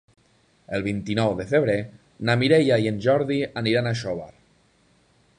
El vint-i-nou de febrer na Mireia i en Jordi aniran a Xóvar.